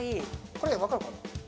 これ分かるかな？